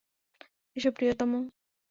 এসো, প্রিয়তম।